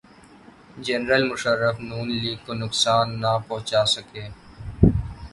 General Musharraf Noon league کو نقصان نہ پہنچا سکے۔